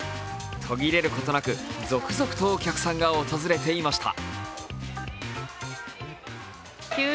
途切れることなく続々とお客さんが訪れていました。